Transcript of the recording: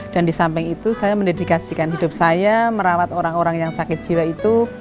dan di samping itu saya mendedikasikan hidup saya merawat orang orang yang sakit jiwa itu